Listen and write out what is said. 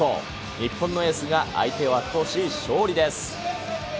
日本のエースが相手を圧倒し、勝利です。